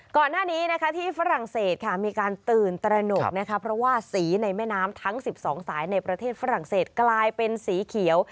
ก่อนหน้านี้นะคะที่ฝรั่งเศสค่ะมีการตื่นตระหนกนะคะเพราะว่าสีในแม่น้ำทั้ง๑๒สายในประเทศฝรั่งเศสกลายเป็นสีเขียว